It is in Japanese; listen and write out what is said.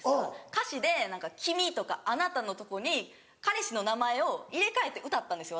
歌詞で「君」とか「あなた」のとこに彼氏の名前を入れ替えて歌ったんですよ